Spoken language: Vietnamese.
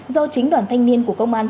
do chính đoàn thanh niên của công an